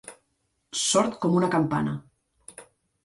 Sord com una campana.